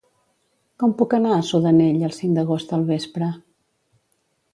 Com puc anar a Sudanell el cinc d'agost al vespre?